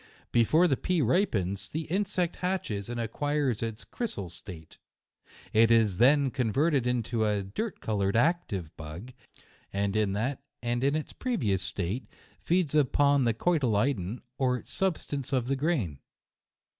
Before the pea ripens, the insect hatches and acquires its crysal slate ; it is then converted into a dirt coloured, active bug, and in that and its previous state, feeds upon the cotyledon, or substance of the grain.